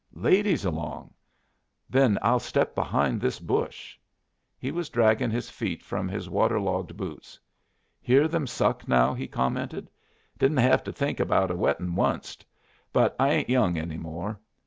"Ladies along! Then I'll step behind this bush." He was dragging his feet from his waterlogged boots. "Hear them suck now?" he commented. "Didn't hev to think about a wetting onced. But I ain't young any more.